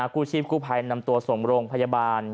กู้ชีพกู้ภัยนำตัวส่งโรงพยาบาล